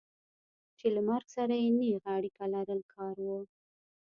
چې له مرګ سره یې نېغه اړیکه لرل کار و.